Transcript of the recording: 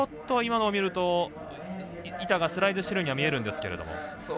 今のを見ると、板がスライドしてるようには見えるんですが。